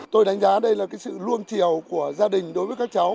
tôi đánh giá đây là sự luông triều của gia đình đối với các cháu